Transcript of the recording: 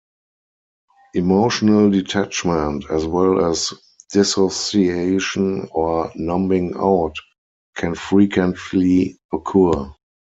Emotional detachment, as well as dissociation or "numbing out", can frequently occur.